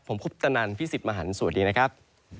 ผมคุปตนันพี่สิทธิ์มหันฯสวัสดีนะครับ